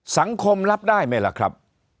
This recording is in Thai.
สังคมรับได้ไหมล่ะครับ